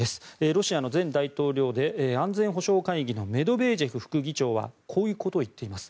ロシアの前大統領で安全保障会議のメドベージェフ副議長はこういうことを言っています。